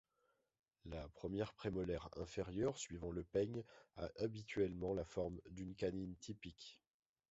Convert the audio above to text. La première prémolaire inférieure suivant le peigne a habituellement la forme d'une canine typique.